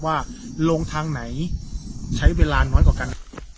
ว่าลงทางไหนใช้เวลาน้อยกว่ากัน